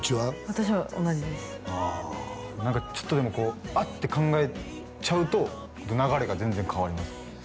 私も同じです何かちょっとでもこうあっって考えちゃうと流れが全然変わります